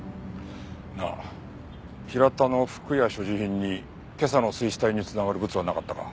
なあ平田の服や所持品に今朝の水死体に繋がるブツはなかったか？